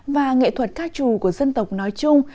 và nghệ thuật ca trù của dân tộc nói chung